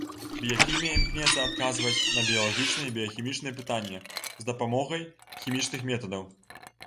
Біяхімія імкнецца адказваць на біялагічныя і біяхімічныя пытанне з дапамогай хімічных метадаў.